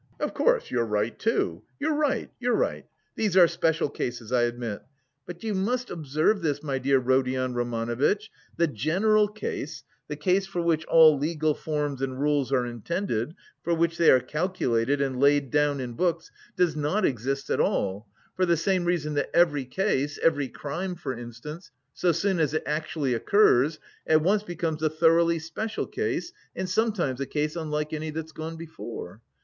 Of course, you're right, too. You're right, you're right. These are special cases, I admit. But you must observe this, my dear Rodion Romanovitch, the general case, the case for which all legal forms and rules are intended, for which they are calculated and laid down in books, does not exist at all, for the reason that every case, every crime, for instance, so soon as it actually occurs, at once becomes a thoroughly special case and sometimes a case unlike any that's gone before.